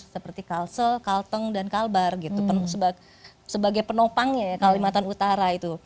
seperti kalsel kalteng dan kalbar gitu sebagai penopangnya ya kalimantan utara itu